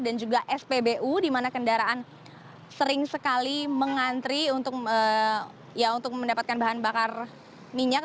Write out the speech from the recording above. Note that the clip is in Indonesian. dan juga spbu dimana kendaraan sering sekali mengantri untuk mendapatkan bahan bakar minyak